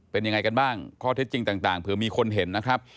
เป็นยังไงกันบ้างข้อเท็จจริงต่างเผื่อมีคนเห็นนะครับ